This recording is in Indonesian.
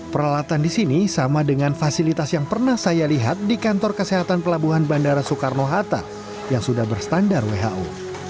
peralatan di sini sama dengan fasilitas yang pernah saya lihat di kantor kesehatan pelabuhan bandara soekarno hatta yang sudah berstandar who